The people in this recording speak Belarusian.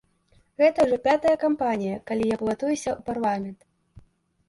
Гэта ўжо пятая кампанія, калі я балатуюся ў парламент.